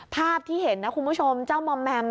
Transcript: ภาพที่เห็นนะคุณผู้ชมเจ้ามอมแมม